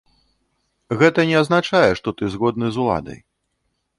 Гэта не азначае, што ты згодны з уладай.